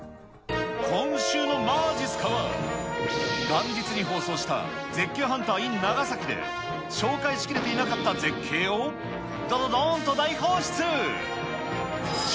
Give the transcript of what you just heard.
今週のまじっすかは、元日に放送した絶景ハンターｉｎ長崎で、紹介しきれていなかった絶景をどどーんと大放出。